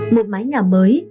một mái nhà mới